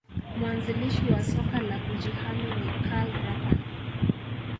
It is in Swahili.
Mwanzilishi wa soka la kujihami ni Karl Rapan